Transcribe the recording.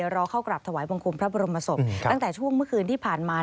รอเข้ากราบถวายบังคมพระบรมศพตั้งแต่ช่วงเมื่อคืนที่ผ่านมา